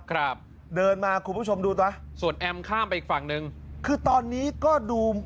ครับเดินมาคุณผู้ชมดูตอนส่วนแอมข้ามไปอีกฝั่งหนึ่งคือตอนนี้ก็ดู